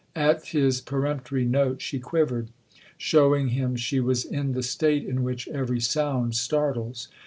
At his peremptory note she quivered, showing him she was in the state in which every sound startles.